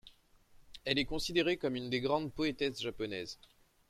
Elle est considérée comme une des grandes poétesses japonaises.